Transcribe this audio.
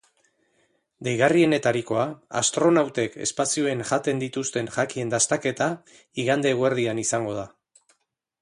Deigarrienetarikoa, astronautek espazioen jaten dituzten jakien dastaketa, igande eguerdian izango da.